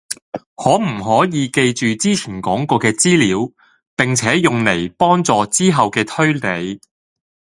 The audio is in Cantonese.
可唔可以記住之前講過嘅資料，並且用嚟幫助之後嘅推理